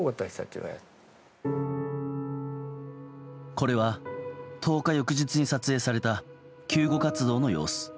これは、投下翌日に撮影された救護活動の様子。